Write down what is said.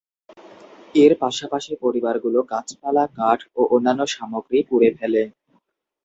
এর পাশাপাশি পরিবারগুলো গাছপালা, কাঠ ও অন্যান্য সামগ্রী পুড়ে ফেলে।